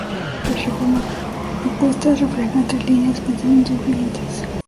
Las reformas propuestas reflejan tres líneas de pensamiento influyentes.